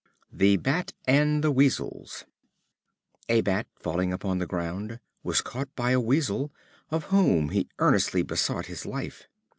The Bat and the Weasels. A Bat, falling upon the ground, was caught by a Weasel, of whom he earnestly besought his life.